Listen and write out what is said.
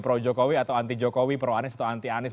pro jokowi atau anti jokowi pro anies atau anti anies